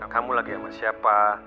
kamu lagi sama siapa